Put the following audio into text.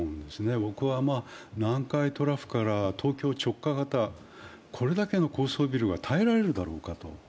僕は南海トラフから東京直下型、これだけの高層ビルが耐えられるだろうかと。